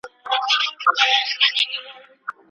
ډاکټران د احتیاط سپارښتنه کوي.